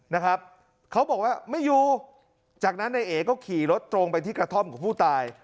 นะครับเขาบอกว่าไม่อยู่จากนั้นนายเอ๋ก็ขี่รถตรงไปที่กระท่อมของผู้ตาย